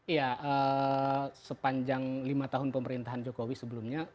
ya sepanjang lima tahun pemerintahan jokowi sebelumnya